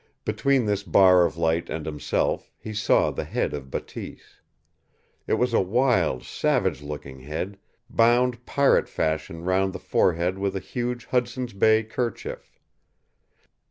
Between this bar of light and himself he saw the head of Bateese. It was a wild, savage looking head, bound pirate fashion round the forehead with a huge Hudson's Bay kerchief.